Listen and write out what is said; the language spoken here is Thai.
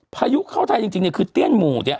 พายุเข้าไทยจริงคือเตี้ยนหมู่เนี่ย